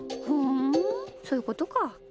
ふんそういうことか。